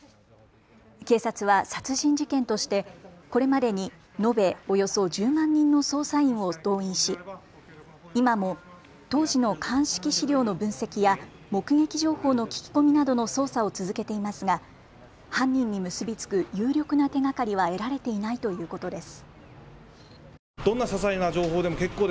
警察は殺人事件としてこれまでに延べおよそ１０万人の捜査員を動員し今も当時の鑑識資料の分析や目撃情報の聞き込みなどの捜査を続けていますが犯人に結び付く有力な手がかりは得られていないということです。